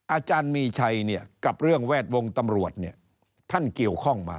อาจารย์มีชัยเนี่ยกับเรื่องแวดวงตำรวจเนี่ย